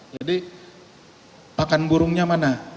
jadi pakan burungnya mana